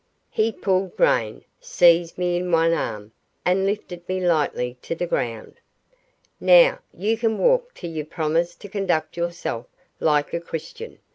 He pulled rein, seized me in one arm, and lifted me lightly to the ground. "Now, you can walk till you promise to conduct yourself like a Christian!"